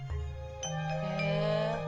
へえ。